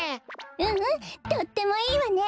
うんうんとってもいいわね。